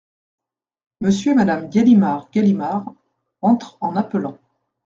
Monsieur et Madame Galimard Galimard , entre en appelant.